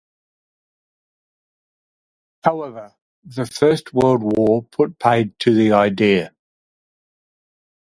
However the First World War put paid to the idea.